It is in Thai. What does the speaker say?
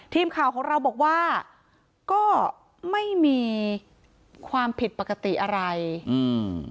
ทีมข่าวของเราบอกว่าก็ไม่มีความผิดปกติอะไรอืม